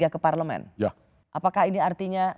ke parlemen apakah ini artinya